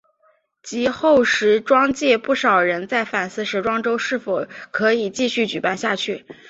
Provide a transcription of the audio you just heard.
及后时装界不少人在反思时装周是否可以继续举办下去。